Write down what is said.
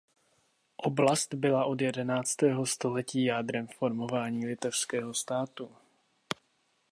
Oblast byla od jedenáctého století jádrem formování litevského státu.